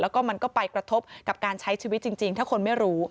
แล้วก็มันก็ไปกระทบกับการใช้ชีวิตจริงถ้าคนไม่รู้